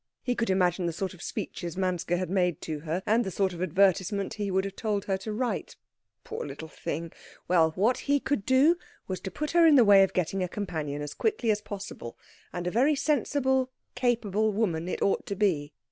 He could imagine the sort of speeches Manske had made her, and the sort of advertisement he would have told her to write. Poor little thing. Well, what he could do was to put her in the way of getting a companion as quickly as possible, and a very sensible, capable woman it ought to be.